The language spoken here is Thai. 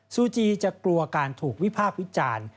สูจิจะกลัวการถูกวิภาพวิจารณ์